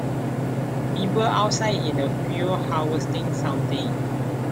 People outside in a field harvesting something.